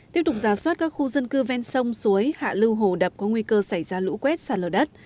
tiếp tục giả soát các khu dân cư ven sông suối hạ lưu hồ đập có nguy cơ xảy ra lũ quét sạt lở đất